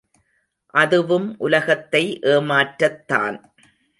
அதுவும் உலகத்தை ஏமாற்றத்தான்.